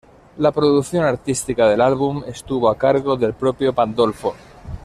La producción artística del álbum estuvo a cargo del propio Pandolfo.